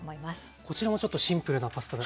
こちらもちょっとシンプルなパスタで。